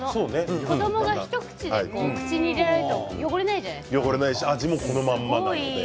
子どもが一口でお口に入れられると汚れないじゃないですか。